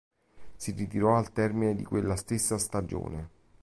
Si ritirò al termine di quella stessa stagione.